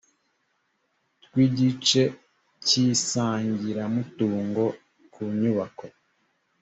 tw igice cy isangiramutungo ku nyubako